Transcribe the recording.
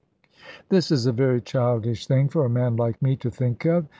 This is a very childish thing for a man like me to think of.